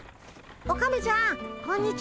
オカメちゃんこんにちは。